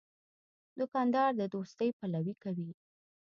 دوکاندار د دوستۍ پلوي کوي.